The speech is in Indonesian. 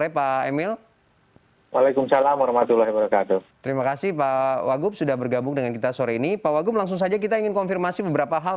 pak wakub selamat sore